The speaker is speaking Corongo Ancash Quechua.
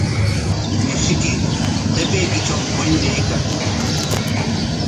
Mishiyki qipaykitrawmi puñuraykan.